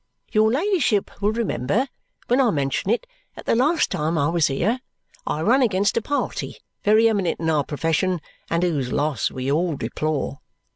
"Your ladyship will remember when I mention it that the last time I was here I run against a party very eminent in our profession and whose loss we all deplore.